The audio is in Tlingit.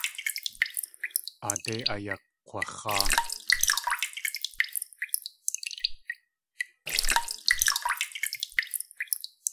Aadé ayakg̲wax̲áa.